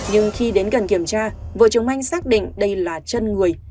nhưng khi đến gần kiểm tra vợ chồng anh xác định đây là chân người